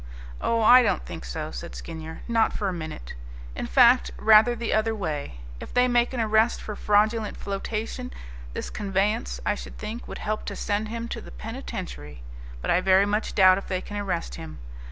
"Oh, I don't think so," said Skinyer, "not for a minute. In fact, rather the other way. If they make an arrest for fraudulent flotation, this conveyance, I should think, would help to send him to the penitentiary. But I very much doubt if they can arrest him.